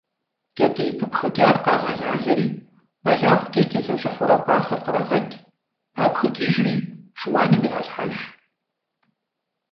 КӀэтӀий пыпхыкӀар къагъэлалэри, бэлагъкӀэ телъэщӀыхьурэ бахъэр кърагъэкӀ, папхыкӀыжри, шыуаным иралъхьэж.